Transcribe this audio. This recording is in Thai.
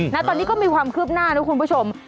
นะตอนนี้ก็มีความคืบหน้านะคุณผู้ชม